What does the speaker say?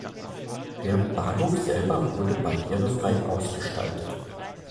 Der Bahnhof selber wurde barrierefrei ausgestaltet.